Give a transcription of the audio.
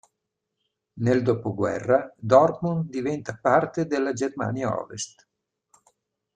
Nel dopoguerra Dortmund diventa parte della Germania Ovest.